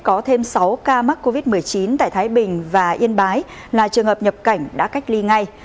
có thêm sáu ca mắc covid một mươi chín tại thái bình và yên bái là trường hợp nhập cảnh đã cách ly ngay